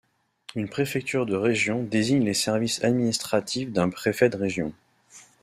Une préfecture de région désigne les services administratifs d'un préfet de région.